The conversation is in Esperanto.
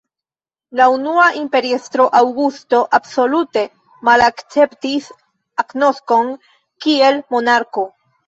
La unua imperiestro, Aŭgusto, absolute malakceptis agnoskon kiel monarko.